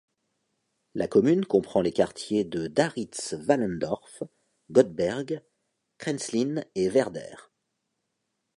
La commune comprend les quartiers de Darritz-Wahlendorf, Gottberg, Kränzlin et Werder.